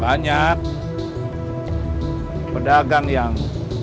banyak pedagang yang